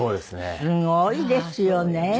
すごいですよね。